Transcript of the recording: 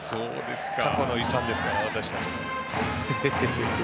過去の遺産ですから、私たちの。